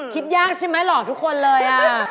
คิดยากใช่ไหมหลอกทุกคนเลย